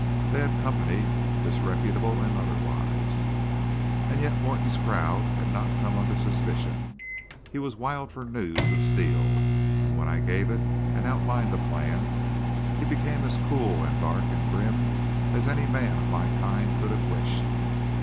They had company, disreputable and otherwise. As yet Morton's crowd had not come under suspicion. He was wild for news of Steele, and when I gave it, and outlined the plan, he became as cool and dark and grim as any man of my kind could have wished.